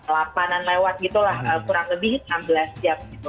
lapanan lewat gitu lah kurang lebih enam belas jam gitu